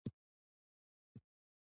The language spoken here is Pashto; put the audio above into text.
آیا لنډۍ د پښتو ادب ستره هستي نه ده؟